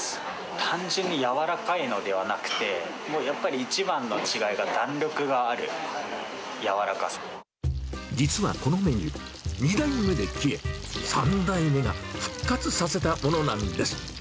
単純に柔らかいのではなくて、やっぱり一番の違いが弾力がある実はこのメニュー、２代目で消え、３代目が復活させたものなんです。